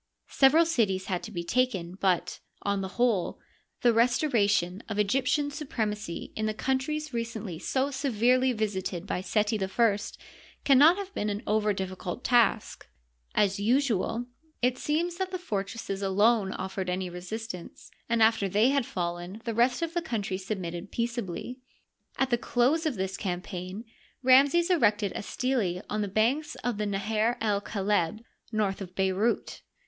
Several cities had to be taken, but, on the whole, the restoration of Egyptian supremacy in the countries recently so severely visited by Seti I can not have been an over difficult taslc. As usual, it seems that the fortresses alone offered any resistance, and after they had fallen the rest of the country submitted peace ably. At the close of this campaign Ramses erected a stele on the banks of the Naher el Kaleb, north of Bey rout.